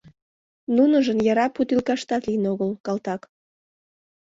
Нуныжын яра путилкаштат лийын огыл, калтак!